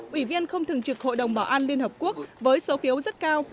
ủy viên không thường trực hội đồng bảo an liên hợp quốc với số phiếu rất cao